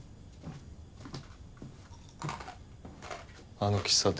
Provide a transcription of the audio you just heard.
あの喫茶店。